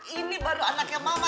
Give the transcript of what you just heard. ini baru anaknya mama